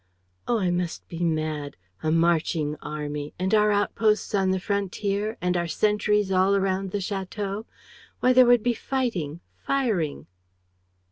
"Oh, I must be mad! A marching army! And our outposts on the frontier? And our sentries all around the château? Why, there would be fighting, firing!